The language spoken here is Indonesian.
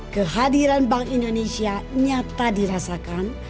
kehadiran bank indonesia nyata dirasakan